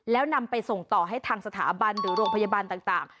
แล้วนำไปส่งต่อให้ทางสถาบันหรือโรงพยาบาลต่าง